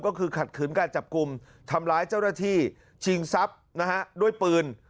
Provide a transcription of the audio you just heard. ก็คือขัดขืนการจับกลุ่มทำร้ายเจ้าหน้าที่ชิงทรัพย์นะฮะด้วยปืน